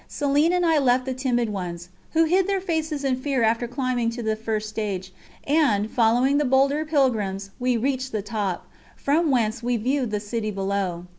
Céline and I left the timid ones, who hid their faces in fear after climbing to the first stage, and, following the bolder pilgrims, we reached the top, from whence we viewed the city below.